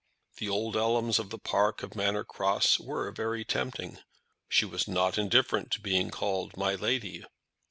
The old elms of the park of Manor Cross were very tempting. She was not indifferent to being called My Lady.